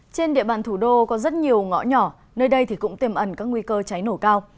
trên địa bàn thủ đô có rất nhiều ngõ nhỏ nơi đây thì cũng tiềm ẩn các nguy cơ cháy nổ cao